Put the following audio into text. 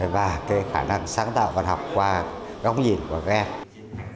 và cái khả năng sáng tạo văn học qua góc nhìn của các em